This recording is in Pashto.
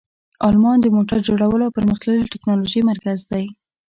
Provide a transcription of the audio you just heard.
آلمان د موټر جوړولو او پرمختللې تکنالوژۍ مرکز دی.